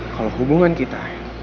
kalau hubungan kita